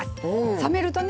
冷めるとね